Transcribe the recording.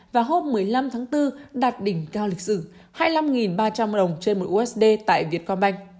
và hôm một mươi năm tháng bốn đạt đỉnh cao lịch sử hai mươi năm ba trăm linh đồng trên một usd tại vietcombank